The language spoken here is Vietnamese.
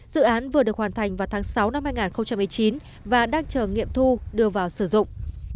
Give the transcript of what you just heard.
dự án vừa được hoàn thành vào tháng sáu năm hai nghìn một mươi chín và đang chờ nghiệm thu đưa vào sử dụng